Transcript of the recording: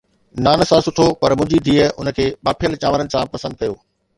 نان سان سٺو پر منهنجي ڌيءَ ان کي ٻاڦيل چانورن سان پسند ڪيو